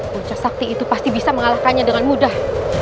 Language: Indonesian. punca sakti itu pasti bisa mengalahkannya dengan mudah